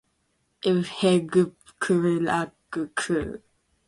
ewfegqrgq